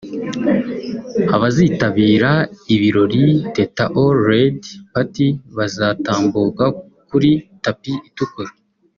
Abazitabira ibirori ‘Teta All Red Party’ bazatambuka kuri tapis itukura